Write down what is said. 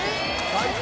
最高！